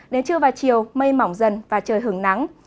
đến trưa và chiều mây mỏng dần và trời hứng nắng